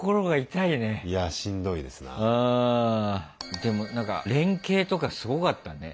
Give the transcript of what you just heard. でも何か連携とかすごかったね。